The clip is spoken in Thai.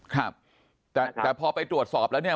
ครับแต่พอไปตรวจสอบแล้วเนี่ย